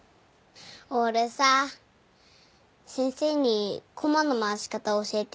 俺さ先生にコマの回し方教えてやったんだ。